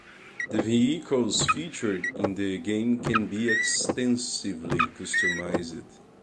The vehicles featured in the game can be extensively customized.